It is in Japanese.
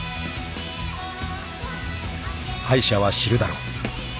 ［敗者は知るだろう］